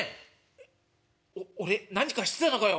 「えお俺何かしてたのかよ」。